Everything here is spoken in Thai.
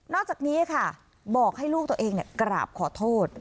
อกจากนี้ค่ะบอกให้ลูกตัวเองกราบขอโทษ